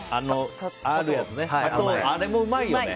あれもうまいよね。